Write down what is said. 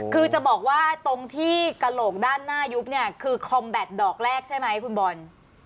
คือจะบอกว่าตรงที่กระโหลกด้านหน้ายุบเนี่ยคือคอมแบตดอกแรกใช่ไหมคุณบอล